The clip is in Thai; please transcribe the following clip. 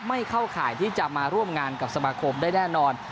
ไม่เข้าข่ายที่จะมาร่วมงานกับสมาคมได้แน่นอน